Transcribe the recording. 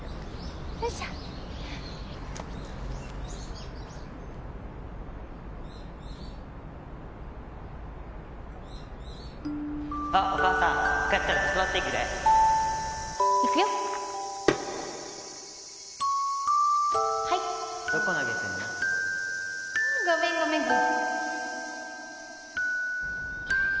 よいしょあっお母さん帰ったらトスバッティン行くよはいどこ投げてんのごめんごめんごめん